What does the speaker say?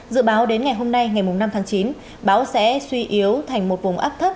dự báo đến ngày hôm nay ngày năm tháng chín bão sẽ suy yếu thành một vùng áp thấp